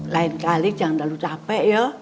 lain kali jangan terlalu capek ya